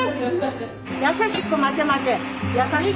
優しくまぜまぜ優しく。